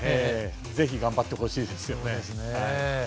ぜひ頑張ってほしいですね。